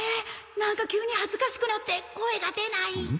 なんか急に恥ずかしくなって声が出ない